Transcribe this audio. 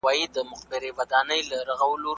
دا مکتب له هغه ښه دی!